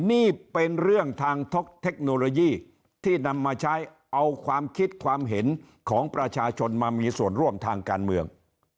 นี่เป็นเรื่องทางเทคโนโลยีที่นำมาใช้เอาความคิดความเห็นของประชาชนมามีส่วนร่วมทางการเมือง